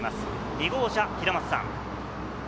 ２号車・平松さん。